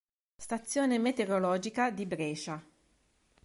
Stazione meteorologica di Brescia